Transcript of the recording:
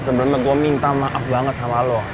sebelumnya gue minta maaf banget sama lo